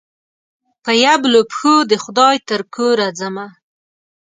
په يبلو پښو دخدای ج ترکوره ځمه